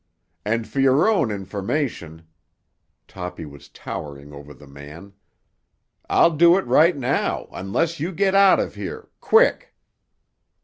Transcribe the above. And for your own information—" Toppy was towering over the man—"I'll do it right now, unless you get out of here—quick!"